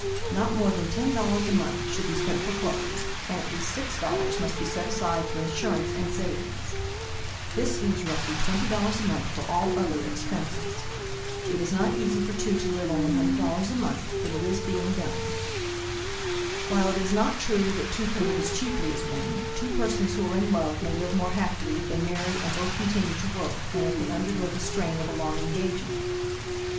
Not more than $10 a month should be spent for clothes, and at least $6 must be set aside for insurance and savings. This leaves roughly $20 a month for all other expenses. It is not easy for two to live on $100 a month but it is being done. While it is not true that two can live as cheaply as one, two persons who are in love may live more happily if they marry and both continue to work than if they undergo the strain of a long engagement.